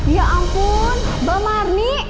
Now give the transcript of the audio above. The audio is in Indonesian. ya ampun marni